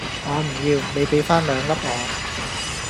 我唔要你比番兩粒我